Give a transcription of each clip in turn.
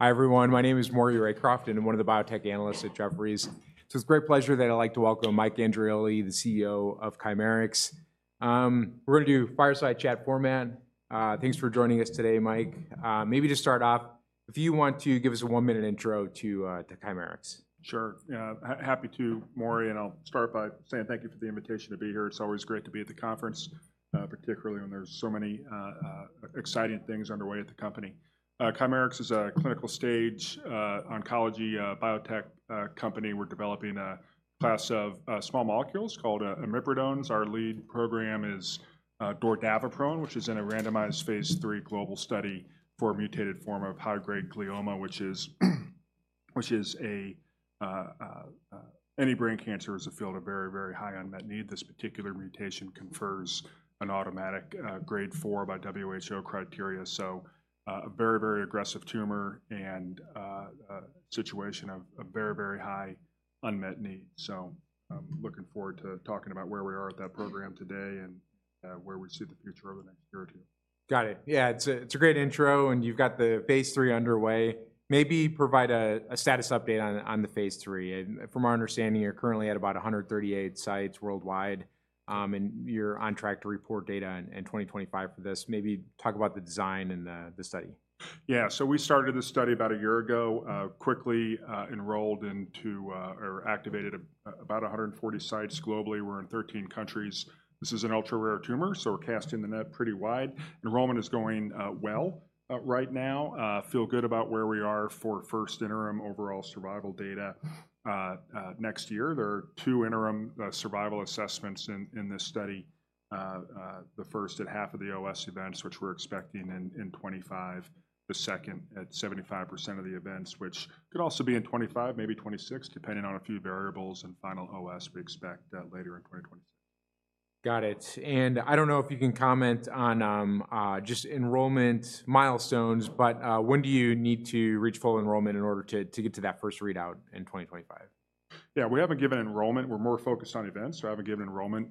Hi, everyone. My name is Maury Raycroft. I'm one of the biotech analysts at Jefferies. It's a great pleasure that I'd like to welcome Mike Andriole, the CEO of Chimerix. We're gonna do fireside chat format. Thanks for joining us today, Mike. Maybe just start off, if you want to give us a one-minute intro to Chimerix. Sure. Yeah, happy to, Maury, and I'll start by saying thank you for the invitation to be here. It's always great to be at the conference, particularly when there's so many exciting things underway at the company. Chimerix is a clinical-stage oncology biotech company. We're developing a class of small molecules called imipridones. Our lead program is dordaviprone, which is in a randomized phase III global study for a mutated form of high-grade glioma, which is a... Any brain cancer is a field of very, very high unmet need. This particular mutation confers an automatic grade 4 by WHO criteria, so a very, very aggressive tumor and a situation of a very, very high unmet need. I'm looking forward to talking about where we are with that program today and where we see the future over the next year or two. Got it. Yeah, it's a great intro, and you've got the phase III underway. Maybe provide a status update on the phase III. From our understanding, you're currently at about 138 sites worldwide, and you're on track to report data in 2025 for this. Maybe talk about the design and the study. Yeah. So we started this study about a year ago, quickly, enrolled into, or activated about 140 sites globally. We're in 13 countries. This is an ultra-rare tumor, so we're casting the net pretty wide. Enrollment is going, well, right now. Feel good about where we are for first interim overall survival data, next year. There are two interim, survival assessments in, in this study. The first at half of the OS events, which we're expecting in, in 2025, the second at 75% of the events, which could also be in 2025, maybe 2026, depending on a few variables and final OS we expect, later in 2025. Got it. And I don't know if you can comment on just enrollment milestones, but when do you need to reach full enrollment in order to get to that first readout in 2025? Yeah, we haven't given enrollment. We're more focused on events, so we haven't given enrollment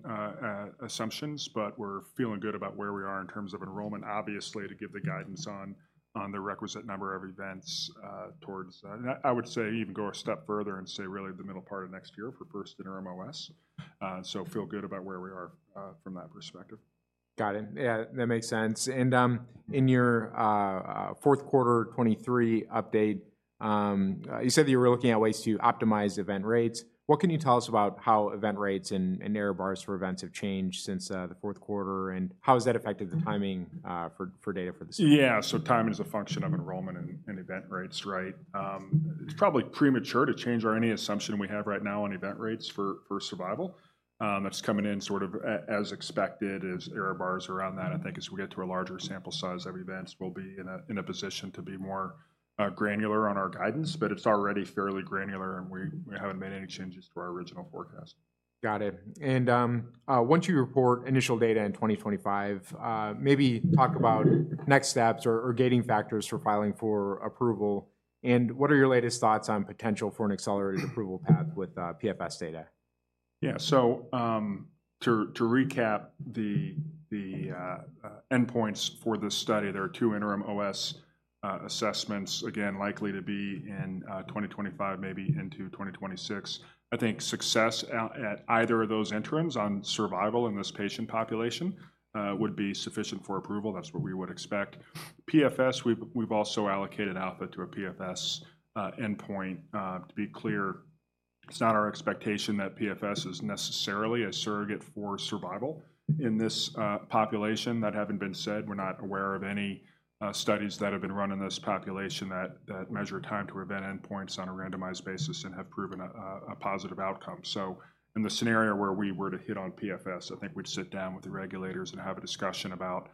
assumptions. But we're feeling good about where we are in terms of enrollment, obviously, to give the guidance on the requisite number of events towards... And I would say even go a step further and say really the middle part of next year for first interim OS. So feel good about where we are from that perspective. Got it. Yeah, that makes sense. And, in your fourth quarter 2023 update, you said that you were looking at ways to optimize event rates. What can you tell us about how event rates and error bars for events have changed since the fourth quarter? And how has that affected the timing for data for the study? Yeah, so timing is a function of enrollment and event rates, right? It's probably premature to change our only assumption we have right now on event rates for survival. That's coming in sort of as expected as error bars around that. I think as we get to a larger sample size of events, we'll be in a position to be more granular on our guidance, but it's already fairly granular, and we haven't made any changes to our original forecast. Got it. And, once you report initial data in 2025, maybe talk about next steps or gating factors for filing for approval, and what are your latest thoughts on potential for an accelerated approval path with PFS data? Yeah. So, to recap the endpoints for this study, there are two interim OS assessments, again, likely to be in 2025, maybe into 2026. I think success out at either of those interims on survival in this patient population would be sufficient for approval. That's what we would expect. PFS, we've also allocated alpha to a PFS endpoint. To be clear, it's not our expectation that PFS is necessarily a surrogate for survival in this population. That having been said, we're not aware of any studies that have been run in this population that measure time to event endpoints on a randomized basis and have proven a positive outcome. So in the scenario where we were to hit on PFS, I think we'd sit down with the regulators and have a discussion about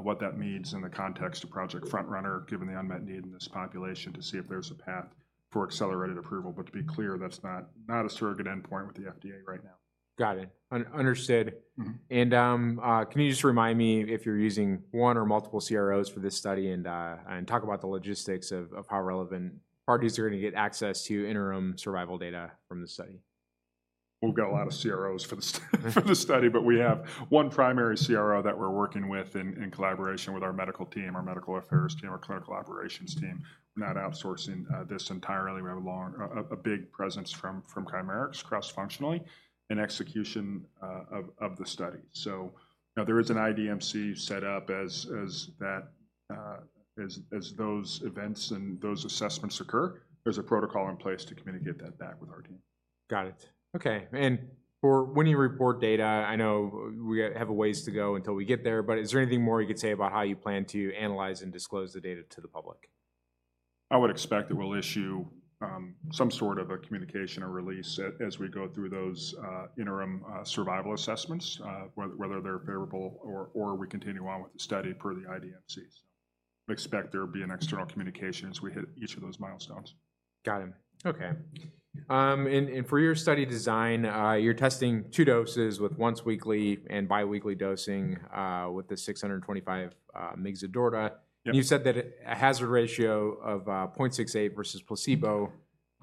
what that means in the context of Project FrontRunner, given the unmet need in this population, to see if there's a path for accelerated approval. But to be clear, that's not, not a surrogate endpoint with the FDA right now. Got it. Understood. Mm-hmm. Can you just remind me if you're using one or multiple CROs for this study, and talk about the logistics of how relevant parties are gonna get access to interim survival data from the study? We've got a lot of CROs for the study, but we have one primary CRO that we're working with in collaboration with our medical team, our medical affairs team, our clinical operations team. We're not outsourcing this entirely. We have a big presence from Chimerix, cross-functionally, in execution of the study. So now there is an IDMC set up as those events and those assessments occur, there's a protocol in place to communicate that back with our team. Got it. Okay, and for when you report data, I know we have a ways to go until we get there, but is there anything more you could say about how you plan to analyze and disclose the data to the public? I would expect that we'll issue some sort of a communication or release as we go through those interim survival assessments, whether they're favorable or we continue on with the study per the IDMCs. Expect there be an external communication as we hit each of those milestones. Got it. Okay. And for your study design, you're testing two doses with once weekly and bi-weekly dosing, with the 625 mgs of dorda. Yep. You said that it, a hazard ratio of 0.68 versus placebo,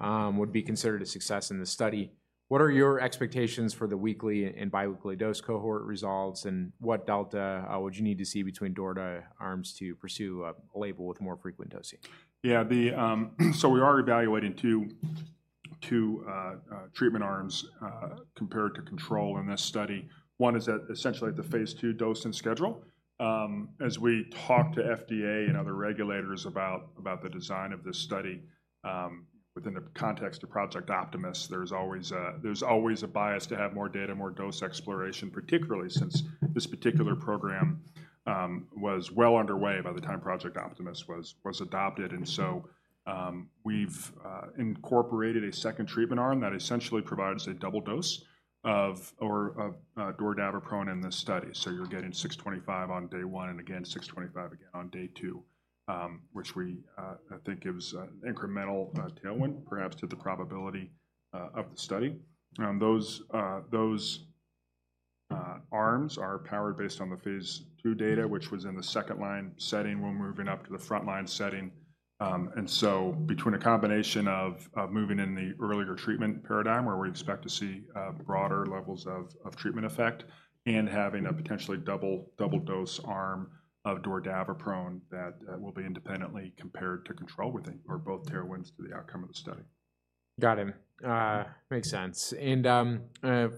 would be considered a success in the study. What are your expectations for the weekly and bi-weekly dose cohort results, and what delta would you need to see between dorda arms to pursue a label with more frequent dosing? Yeah, so we are evaluating two treatment arms compared to control in this study. One is essentially at the phase II dose and schedule. As we talk to FDA and other regulators about the design of this study, within the context of Project Optimus, there's always a bias to have more data, more dose exploration, particularly since this particular program was well underway by the time Project Optimus was adopted. And so, we've incorporated a second treatment arm that essentially provides a double dose of dordaviprone in this study. So you're getting 625 mg on day one, and again, 625 mg on day two, which I think gives an incremental tailwind, perhaps to the probability of the study. Those arms are powered based on the phase II data, which was in the second line setting. We're moving up to the front line setting. And so between a combination of moving in the earlier treatment paradigm, where we expect to see broader levels of treatment effect, and having a potentially double dose arm of dordaviprone, that will be independently compared to control, we think, are both tailwinds to the outcome of the study. Got it. Makes sense. And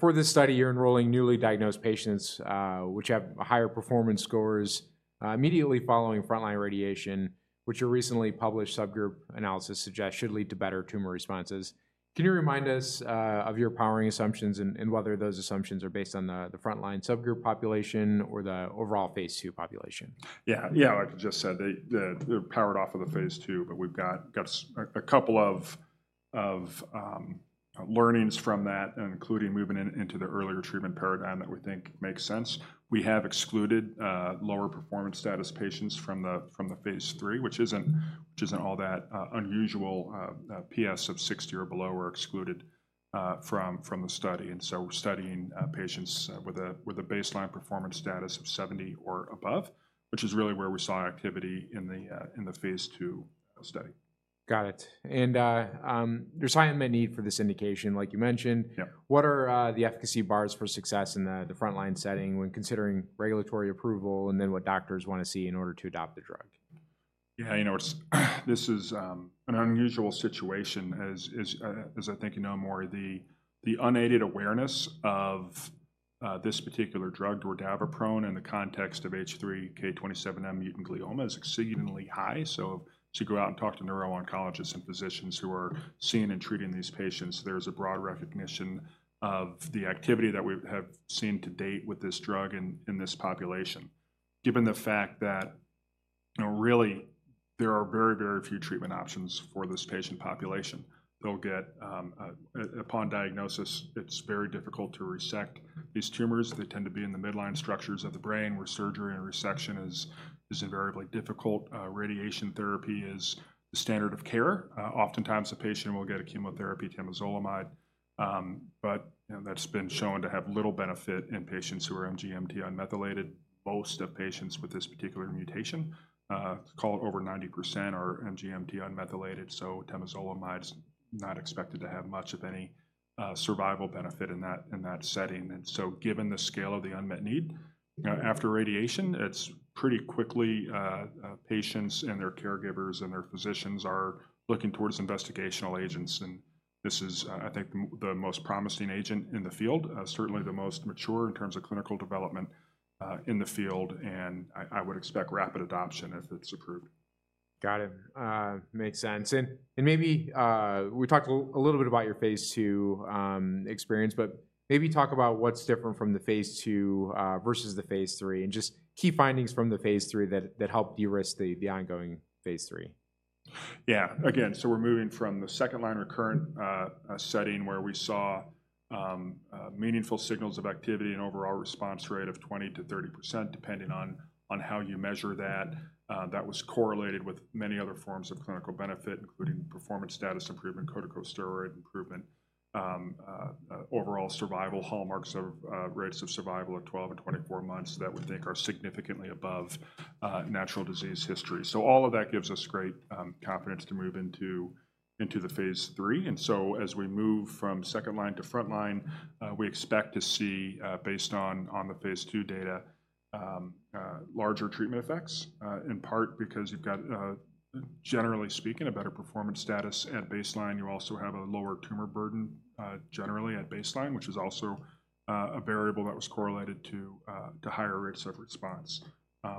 for this study, you're enrolling newly diagnosed patients, which have higher performance scores immediately following frontline radiation, which a recently published subgroup analysis suggests should lead to better tumor responses. Can you remind us of your powering assumptions and whether those assumptions are based on the frontline subgroup population or the overall phase II population? Yeah. Yeah, like I just said, they're powered off of the phase II, but we've got a couple of learnings from that, and including moving into the earlier treatment paradigm that we think makes sense. We have excluded lower performance status patients from the phase III, which isn't all that unusual. A PS of 60 or below were excluded from the study. And so we're studying patients with a baseline performance status of 70 or above, which is really where we saw activity in the phase II study. Got it. There's high unmet need for this indication, like you mentioned. Yeah. What are the efficacy bars for success in the frontline setting when considering regulatory approval, and then what doctors want to see in order to adopt the drug? Yeah, you know, it's, this is an unusual situation, as I think you know more, the unaided awareness of this particular drug, dordaviprone, in the context of H3 K27M-mutant glioma, is exceedingly high. So if you go out and talk to neuro-oncologists and physicians who are seeing and treating these patients, there's a broad recognition of the activity that we have seen to date with this drug in this population. Given the fact that, you know, really there are very, very few treatment options for this patient population, they'll get upon diagnosis, it's very difficult to resect these tumors. They tend to be in the midline structures of the brain, where surgery and resection is invariably difficult. Radiation therapy is the standard of care. Oftentimes, the patient will get a chemotherapy temozolomide, but, you know, that's been shown to have little benefit in patients who are MGMT unmethylated. Most of patients with this particular mutation, call it over 90%, are MGMT unmethylated, so temozolomide's not expected to have much of any, survival benefit in that setting. And so given the scale of the unmet need, after radiation, it's pretty quickly, patients and their caregivers, and their physicians are looking towards investigational agents, and this is, I think the most promising agent in the field. Certainly the most mature in terms of clinical development, in the field, and I would expect rapid adoption if it's approved. Got it. Makes sense. And maybe we talked a little bit about your phase II experience, but maybe talk about what's different from the phase II versus the phase III, and just key findings from the phase III that helped de-risk the ongoing phase III. Yeah. Again, so we're moving from the second-line recurrent setting, where we saw meaningful signals of activity and overall response rate of 20%-30%, depending on how you measure that. That was correlated with many other forms of clinical benefit, including performance status improvement, corticosteroid improvement, overall survival hallmarks of rates of survival at 12 and 24 months that we think are significantly above natural disease history. So all of that gives us great confidence to move into the phase III. And so as we move from second line to front line, we expect to see, based on the phase II data, larger treatment effects. In part because you've got generally speaking, a better performance status at baseline. You also have a lower tumor burden, generally at baseline, which is also a variable that was correlated to higher rates of response.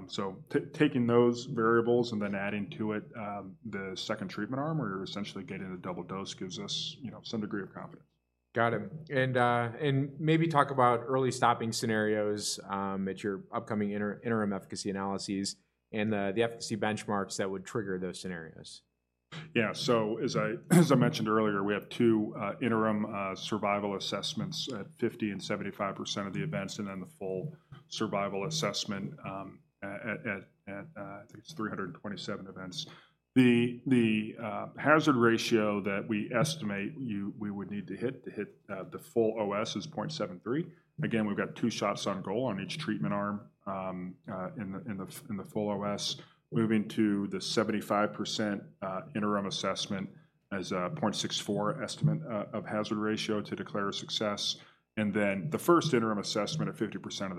So taking those variables and then adding to it the second treatment arm, where you're essentially getting a double dose, gives us, you know, some degree of confidence. Got it. And maybe talk about early stopping scenarios at your upcoming interim efficacy analyses, and the efficacy benchmarks that would trigger those scenarios. Yeah, so as I mentioned earlier, we have two interim survival assessments at 50% and 75% of the events, and then the full survival assessment at, I think it's 327 events. The hazard ratio that we estimate we would need to hit to hit the full OS is 0.73. Again, we've got two shots on goal on each treatment arm in the full OS. Moving to the 75% interim assessment is a 0.64 estimate of hazard ratio to declare a success. And then the first interim assessment at 50%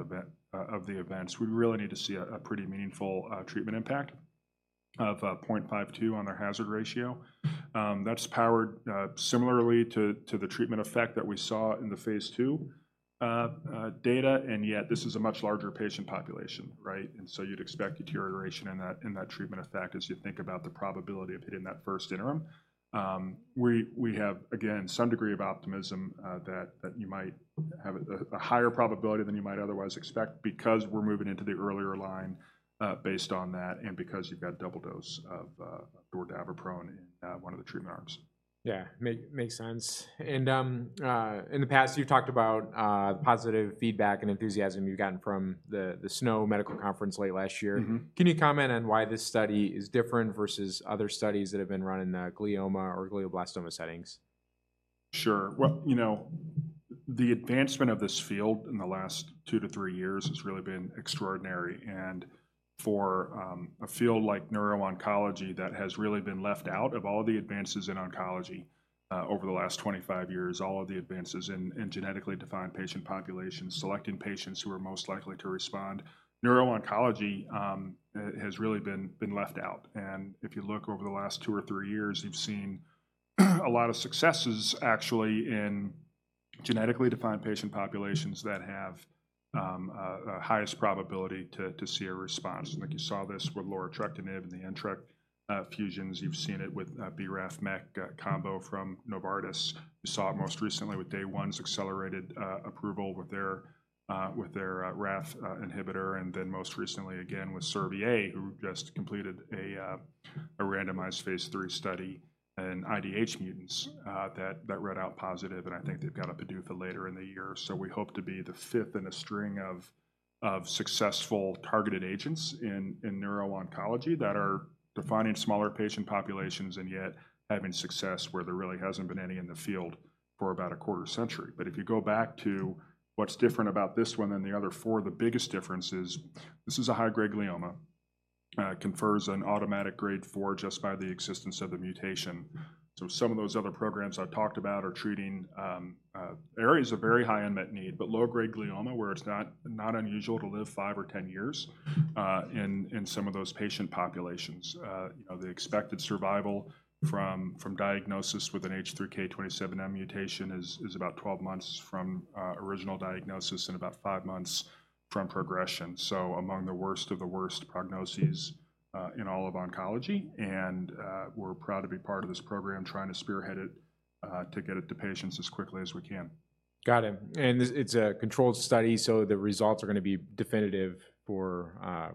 of the events, we really need to see a pretty meaningful treatment impact of 0.52 on their hazard ratio. That's powered similarly to the treatment effect that we saw in the phase II data, and yet this is a much larger patient population, right? And so you'd expect deterioration in that treatment effect as you think about the probability of hitting that first interim. We have, again, some degree of optimism that you might have a higher probability than you might otherwise expect because we're moving into the earlier line, based on that, and because you've got double dose of dordaviprone in one of the treatment arms. Yeah, makes sense. And, in the past, you've talked about positive feedback and enthusiasm you've gotten from the SNO Medical Conference late last year. Mm-hmm. Can you comment on why this study is different versus other studies that have been run in the glioma or glioblastoma settings? Sure. Well, you know, the advancement of this field in the last two to three years has really been extraordinary, and for a field like neuro-oncology that has really been left out of all the advances in oncology over the last 25 years, all of the advances in genetically defined patient populations, selecting patients who are most likely to respond, neuro-oncology has really been left out. And if you look over the last two to three years, you've seen a lot of successes actually in genetically defined patient populations that have a highest probability to see a response. I think you saw this with larotrectinib in the NTRK fusions. You've seen it with BRAF/MEK combo from Novartis. You saw it most recently with Day One's accelerated approval with their RAF inhibitor, and then most recently again with Servier, who just completed a randomized phase III study in IDH-mutant that read out positive, and I think they've got a PDUFA later in the year. So we hope to be the fifth in a string of successful targeted agents in neuro-oncology that are defining smaller patient populations, and yet having success where there really hasn't been any in the field for about a quarter century. But if you go back to what's different about this one than the other four, the biggest difference is this is a high-grade glioma, confers an automatic grade 4 just by the existence of the mutation. So some of those other programs I've talked about are treating areas of very high unmet need, but low-grade glioma, where it's not unusual to live five or 10 years in some of those patient populations. You know, the expected survival from diagnosis with an H3 K27M mutation is about 12 months from original diagnosis and about 5 months from progression, so among the worst of the worst prognoses in all of oncology. And we're proud to be part of this program, trying to spearhead it to get it to patients as quickly as we can. Got it, and this, it's a controlled study, so the results are gonna be definitive for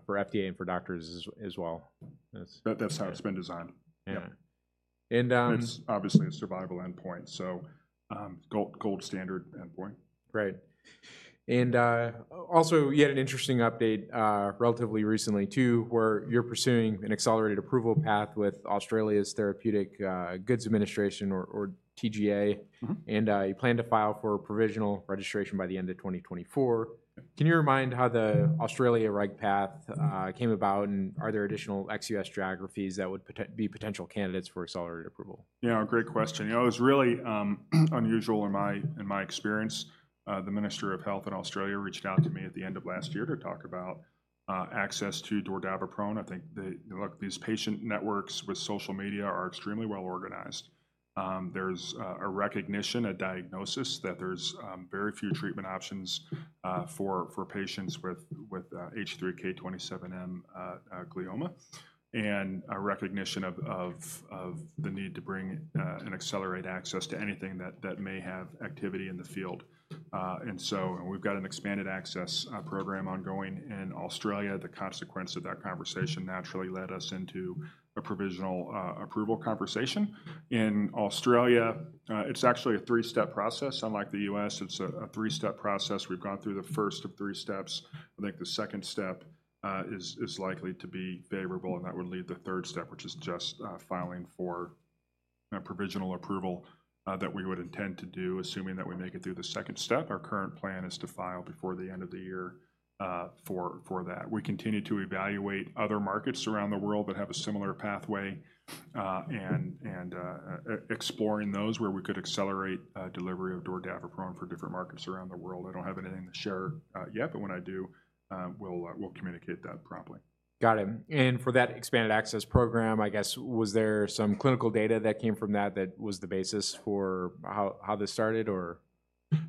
FDA and for doctors as well as- That's how it's been designed. Yeah. And, It's obviously a survival endpoint, so, gold standard endpoint. Great. And, also, you had an interesting update relatively recently, too, where you're pursuing an accelerated approval path with Australia's Therapeutic Goods Administration, or TGA. Mm-hmm. And, you plan to file for provisional registration by the end of 2024. Can you remind how the Australia reg path came about, and are there additional ex-US geographies that would be potential candidates for accelerated approval? Yeah, great question. You know, it was really unusual in my experience. The Minister of Health in Australia reached out to me at the end of last year to talk about access to dordaviprone. I think they-- look, these patient networks with social media are extremely well-organized. There's a recognition, a diagnosis, that there's very few treatment options for patients with H3 K27M glioma, and a recognition of the need to bring and accelerate access to anything that may have activity in the field. And so we've got an expanded access program ongoing in Australia. The consequence of that conversation naturally led us into a provisional approval conversation. In Australia, it's actually a three-step process. Unlike the U.S., it's a three-step process. We've gone through the first of three steps. I think the second step is likely to be favorable, and that would leave the third step, which is just filing for a provisional approval that we would intend to do, assuming that we make it through the second step. Our current plan is to file before the end of the year for that. We continue to evaluate other markets around the world that have a similar pathway and exploring those where we could accelerate delivery of dordaviprone for different markets around the world. I don't have anything to share yet, but when I do, we'll communicate that promptly. Got it, and for that expanded access program, I guess, was there some clinical data that came from that, that was the basis for how, how this started, or?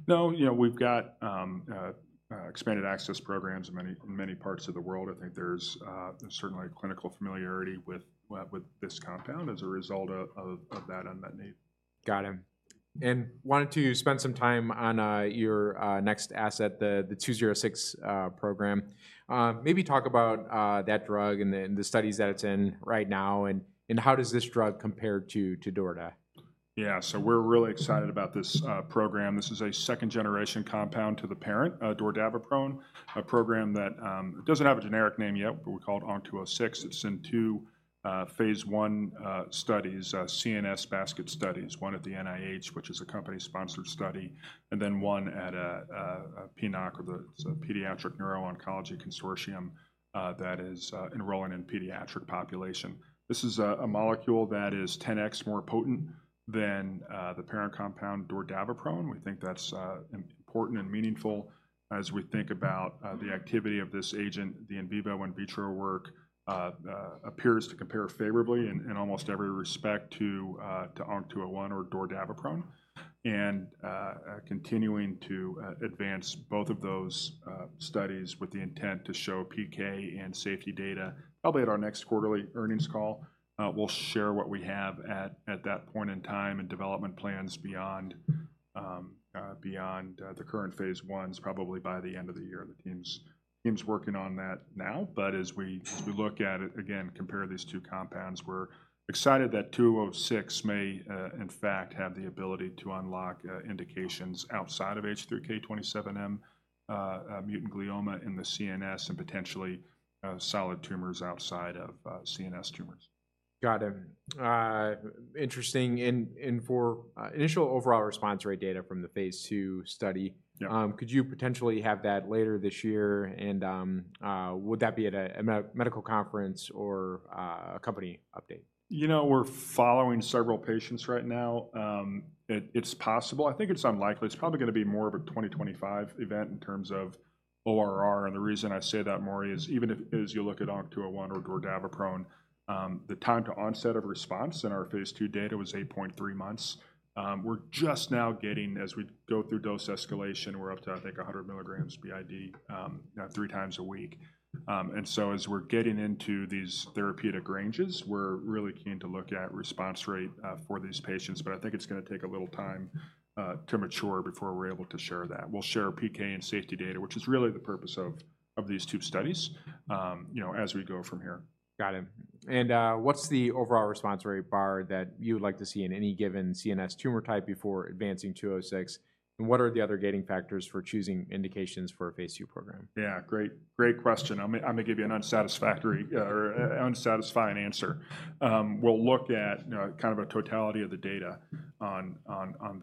No, you know, we've got expanded access programs in many parts of the world. I think there's certainly a clinical familiarity with this compound as a result of that unmet need. Got it. Wanted to spend some time on your next asset, the 206 program. Maybe talk about that drug and the studies that it's in right now, and how does this drug compare to dorda? Yeah, so we're really excited about this program. This is a second-generation compound to the parent dordaviprone, a program that it doesn't have a generic name yet, but we call it ONC206. It's in 2 phase I studies, CNS basket studies, one at the NIH, which is a company-sponsored study, and then one at PNOC. It's a pediatric neuro-oncology consortium that is enrolling in pediatric population. This is a molecule that is 10x more potent than the parent compound, dordaviprone. We think that's important and meaningful as we think about the activity of this agent. The in vivo and in vitro work appears to compare favorably in almost every respect to ONC201 or dordaviprone, and continuing to advance both of those studies with the intent to show PK and safety data probably at our next quarterly earnings call. We'll share what we have at that point in time and development plans beyond the current phase I, probably by the end of the year. The team's working on that now, but as we look at it, again, compare these two compounds, we're excited that 206 may in fact have the ability to unlock indications outside of H3 K27M-mutant glioma in the CNS, and potentially solid tumors outside of CNS tumors. Got it. Interesting. And for initial overall response rate data from the phase II study- Yeah... could you potentially have that later this year, and would that be at a medical conference or a company update? You know, we're following several patients right now. It's possible. I think it's unlikely. It's probably gonna be more of a 2025 event in terms of ORR. And the reason I say that, Maury, is even if, as you look at ONC201 or dordaviprone, the time to onset of response in our phase II data was 8.3 months. We're just now getting. As we go through dose escalation, we're up to, I think, 100 mg BID three times a week. And so as we're getting into these therapeutic ranges, we're really keen to look at response rate for these patients, but I think it's gonna take a little time to mature before we're able to share that. We'll share PK and safety data, which is really the purpose of these two studies, you know, as we go from here. Got it. And, what's the overall response rate bar that you would like to see in any given CNS tumor type before advancing 206, and what are the other gating factors for choosing indications for a phase II program? Yeah, great, great question. I'm gonna give you an unsatisfactory or unsatisfying answer. We'll look at, you know, kind of a totality of the data on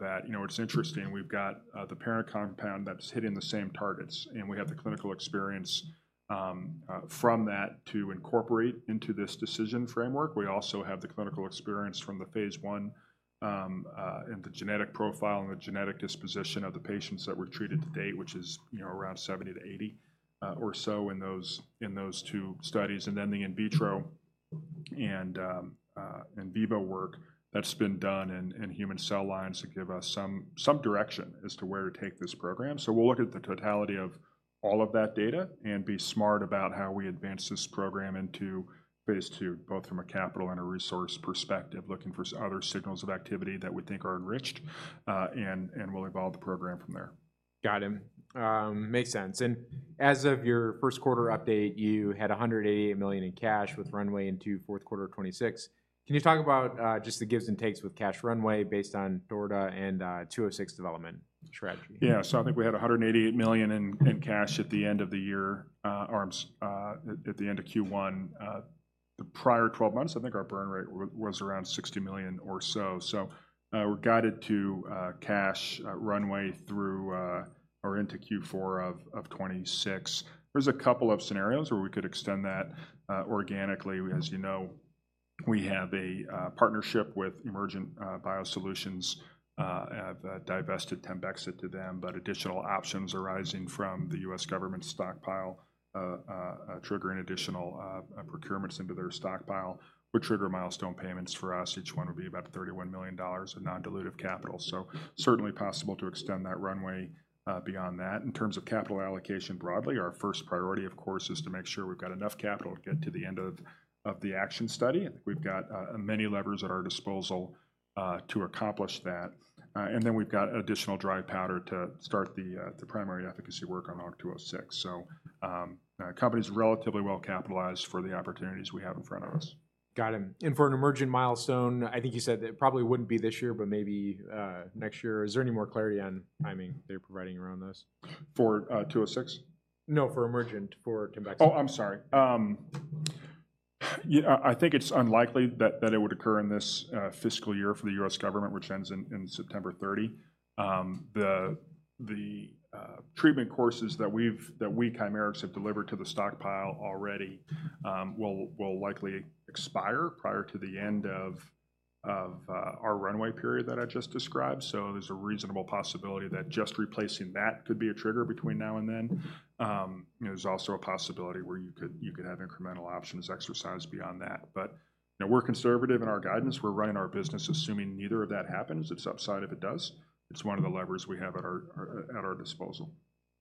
that. You know, it's interesting, we've got the parent compound that's hitting the same targets, and we have the clinical experience from that to incorporate into this decision framework. We also have the clinical experience from the phase I and the genetic profile and the genetic disposition of the patients that were treated to date, which is, you know, around 70-80 or so in those two studies, and then the in vitro and in vivo work that's been done in human cell lines to give us some direction as to where to take this program. So we'll look at the totality of all of that data and be smart about how we advance this program into phase II, both from a capital and a resource perspective, looking for other signals of activity that we think are enriched, and we'll evolve the program from there. Got it. Makes sense. And as of your first quarter update, you had $188 million in cash with runway into fourth quarter of 2026. Can you talk about just the gives and takes with cash runway, based on dorda and 206 development strategy? Yeah. So I think we had $188 million in cash at the end of the year or at the end of Q1. The prior 12 months, I think our burn rate was around $60 million or so. So, we're guided to cash runway through or into Q4 of 2026. There's a couple of scenarios where we could extend that organically. As you know, we have a partnership with Emergent BioSolutions, have divested TEMBEXA to them, but additional options arising from the U.S. government stockpile triggering additional procurements into their stockpile would trigger milestone payments for us. Each one would be about $31 million of non-dilutive capital. So certainly possible to extend that runway beyond that. In terms of capital allocation broadly, our first priority, of course, is to make sure we've got enough capital to get to the end of the ACTION study. I think we've got many levers at our disposal to accomplish that. And then we've got additional dry powder to start the primary efficacy work on ONC206. So, company's relatively well-capitalized for the opportunities we have in front of us. Got it. And for an Emergent milestone, I think you said that it probably wouldn't be this year, but maybe next year. Is there any more clarity on timing they're providing around this? For 206? No, for Emergent, for TEMBEXA. Oh, I'm sorry. I think it's unlikely that it would occur in this fiscal year for the U.S. government, which ends in September 30. The treatment courses that we, Chimerix, have delivered to the stockpile already will likely expire prior to the end of our runway period that I just described. So there's a reasonable possibility that just replacing that could be a trigger between now and then. You know, there's also a possibility where you could have incremental options exercised beyond that. But, you know, we're conservative in our guidance. We're running our business assuming neither of that happens. It's upside if it does. It's one of the levers we have at our disposal.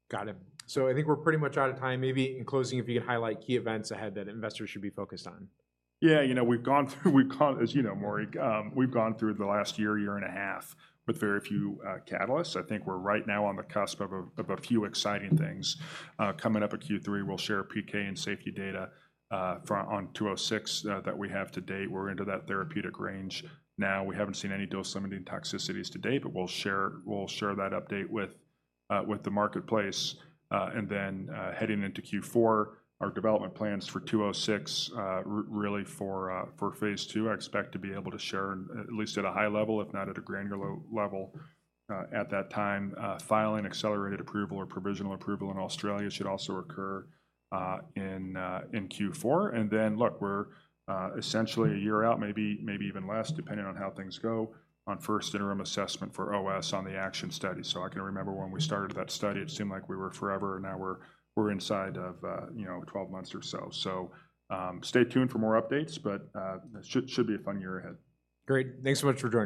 Got it. So I think we're pretty much out of time. Maybe in closing, if you could highlight key events ahead that investors should be focused on. Yeah, you know, we've gone through... As you know, Maury, we've gone through the last year and a half with very few catalysts. I think we're right now on the cusp of a few exciting things. Coming up at Q3, we'll share PK and safety data on 206 that we have to date. We're into that therapeutic range now. We haven't seen any dose-limiting toxicities to date, but we'll share that update with the marketplace. And then, heading into Q4, our development plans for 206 really for phase II, I expect to be able to share, at least at a high level, if not at a granular level, at that time. Filing accelerated approval or provisional approval in Australia should also occur in Q4. And then, look, we're essentially a year out, maybe, maybe even less, depending on how things go, on first interim assessment for OS on the ACTION study. So I can remember when we started that study, it seemed like we were forever, and now we're, we're inside of, you know, 12 months or so. So, stay tuned for more updates, but, it should, should be a fun year ahead. Great. Thanks so much for joining.